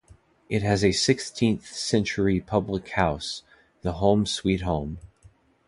It has a sixteenth-century public house, the Home Sweet Home.